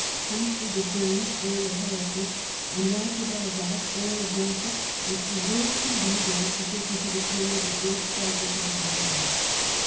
Humphrey de Bohun, Earl of Hereford, and Roger Bigod, Earl of Norfolk, were to live to lead the opposition to the king at the great crisis of his reign.